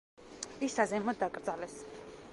ის საზეიმოდ დაკრძალეს.